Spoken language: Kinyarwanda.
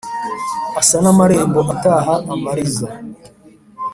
Asa n'amarembo ataha amariza,